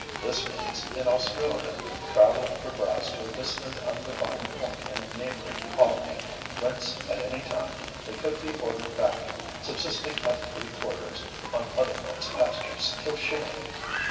This means, in Australia, travelling for grass to a distant undefined point in a neighbouring colony whence at any time they could be ordered back; subsisting at free quarters, on other men's pastures till shearing.